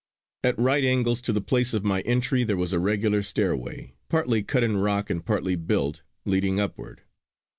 At right angles to the place of my entry there was a regular stairway, partly cut in rock and partly built, leading upward.